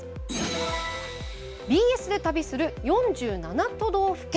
「ＢＳで旅する４７都道府県